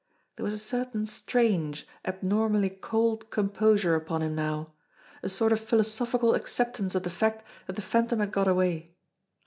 There was a certain strange, abnormally cold composure upon him now ; a sort of philosophical acceptance of the fact that the Phantom had got away.